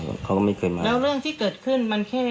แล้วเรื่องที่เกิดขึ้นมันแค่